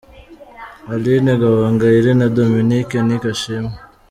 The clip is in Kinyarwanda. Aline Gahongayire na Dominic Nic Ashimwe.